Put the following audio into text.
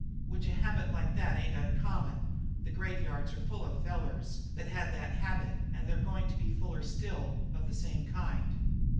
"Which a habit like that ain't uncommon. The graveyards are full of fellers that had that habit and they're going to be fuller still of the same kind."